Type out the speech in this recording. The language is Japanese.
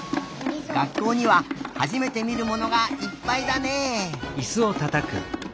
学校にははじめてみるものがいっぱいだね！